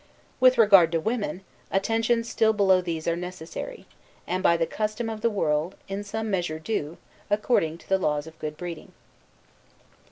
With regard to women, attentions still below these are necessary, and, by the custom of the world, in some measure due, according to the laws of good breeding.